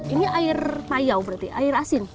ini air payau berarti air asin